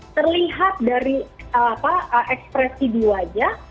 terlihat dari ekspresi di wajah